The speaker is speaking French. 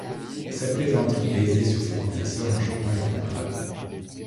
Cette plaisanterie aisée sur ses professeurs enchanta les camarades.